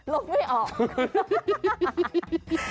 ไม่ออก